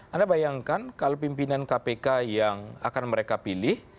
anda bayangkan kalau pimpinan kpk yang akan mereka pilih